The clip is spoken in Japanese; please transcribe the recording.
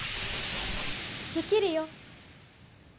できるよ。